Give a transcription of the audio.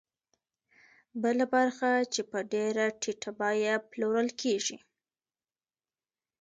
بله برخه یې په ډېره ټیټه بیه پلورل کېږي